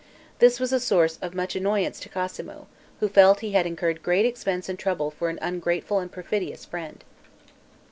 This was a source of much annoyance to Cosmo, who felt he had incurred great expense and trouble for an ungrateful and perfidious friend.